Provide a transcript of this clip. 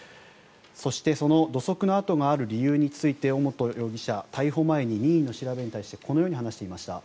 そして土足の跡がある理由について尾本容疑者は逮捕前に任意の調べに対してこのように話していました。